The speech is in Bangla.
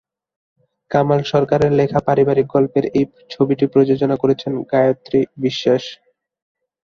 কমল সরকারের লেখা পারিবারিক গল্পের এই ছবিটি প্রযোজনা করেছেন গায়ত্রী বিশ্লাস।